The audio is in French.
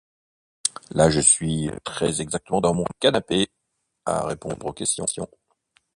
canapé